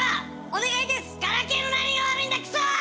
お願いです！